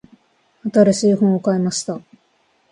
新しい本を買いました。